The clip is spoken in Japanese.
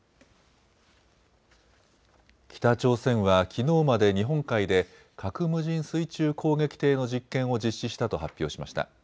北朝鮮はきのうまで日本海で核無人水中攻撃艇の実験を実施したと発表しました。